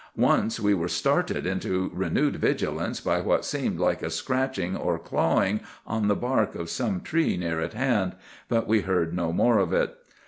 "Once we were started into renewed vigilance by what seemed like a scratching or clawing on the bark of some tree near at hand; but we heard no more of it.